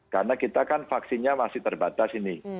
karena kita kan vaksinnya masih terbatas ini